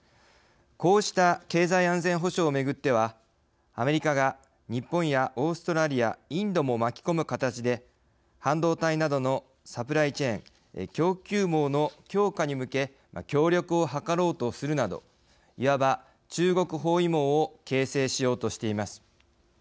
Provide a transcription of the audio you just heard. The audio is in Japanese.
こうした経済安全保障をめぐってはアメリカが日本やオーストラリア・インドも巻き込む形で半導体などのサプライチェーン＝供給網の強化に向け協力を図ろうとするなどいわば中国包囲網を形成しようとしています。